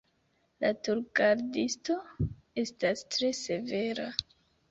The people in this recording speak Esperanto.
La turgardisto estas tre severa.